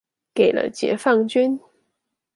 給了解放軍